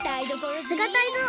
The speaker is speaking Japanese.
さすがタイゾウ！